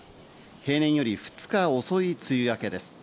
平年より２日遅い梅雨明けです。